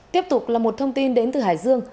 tiếp tục là một thông tin đến từ hải dương